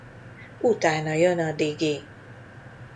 Utána jön a Digi.